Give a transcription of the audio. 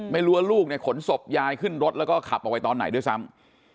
ไม่รู้ว่าลูกเนี่ยขนศพยายขึ้นรถแล้วก็ขับออกไปตอนไหนด้วยซ้ำ